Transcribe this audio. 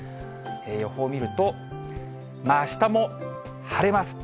予報見ると、あしたも晴れます。